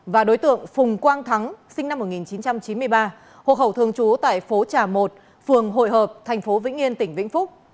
và đối tượng phùng quang thắng sinh năm một nghìn chín trăm chín mươi ba hộ khẩu thường trú tại phố trà một phường hội hợp thành phố vĩnh yên tỉnh vĩnh phúc